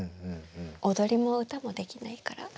踊りも歌もできないから。